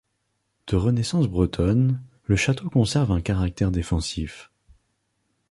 De Renaissance bretonne, le château conserve un caractère défensif.